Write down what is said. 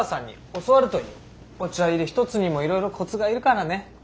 お茶いれ一つにもいろいろコツがいるからね。